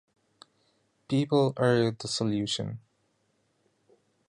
People are the solution.